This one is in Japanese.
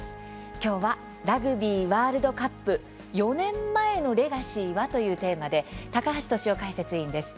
今日は「ラグビーワールドカップ４年前の『レガシー』は？」というテーマで高橋俊雄解説委員です。